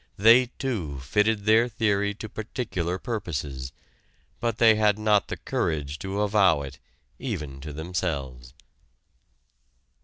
They too fitted their theory to particular purposes, but they had not the courage to avow it even to themselves.